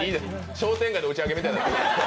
商店街の打ち上げみたいになってる。